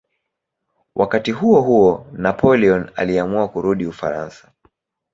Wakati huohuo Napoleon aliamua kurudi Ufaransa.